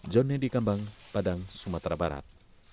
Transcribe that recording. jonny dikambang padang sumatera barat